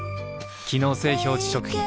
機能性表示食品